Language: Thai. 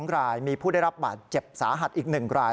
๒รายมีผู้ได้รับบาดเจ็บสาหัสอีก๑ราย